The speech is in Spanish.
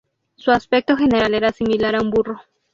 Su aspecto general era similar a un burro.